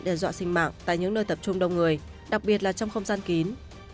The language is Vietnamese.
đe dọa sinh mạng tại những nơi tập trung đông người đặc biệt là trong không gian kín